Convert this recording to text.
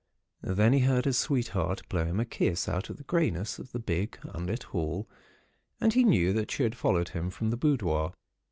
Then he heard his sweetheart blow him a kiss out of the greyness of the big, unlit hall, and he knew that she had followed him, from the boudoir.